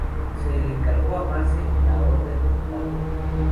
Se le encargó a "Mace" la orden de matarlo.